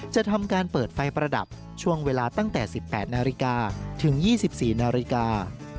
จะทำการเปิดไฟประดับช่วงเวลาตั้งแต่๑๘นาฬิกาถึง๒๔นาฬิกา